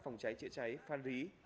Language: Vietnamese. phòng cháy chữa cháy phan rí